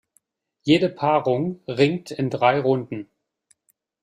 Jede Paarung ringt in drei Runden.